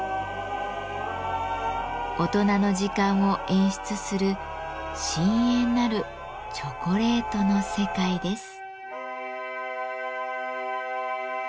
大人の時間を演出する深遠なるチョコレートの世界です。